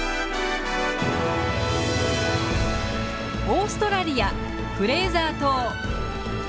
オーストラリアフレーザー島。